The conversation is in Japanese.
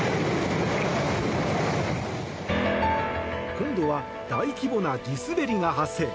今度は大規模な地滑りが発生。